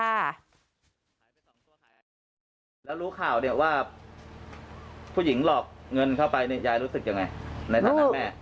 แล้วรู้ข่าวเนี่ยว่าผู้หญิงหลอกเงินเข้าไปเนี่ยยายรู้สึกยังไงในตอนนั้นแม่